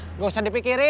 enggak usah dipikirin